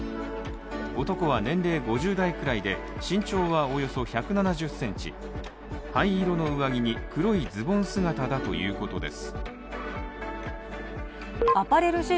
男は年齢５０代くらいで身長はおよそ１７０ｃｍ、灰色の上着に黒いズボン姿だということです。